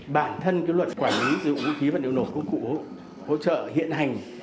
bản thân cái luật quản lý dụng vũ khí và điều nộp của cụ hỗ trợ hiện hành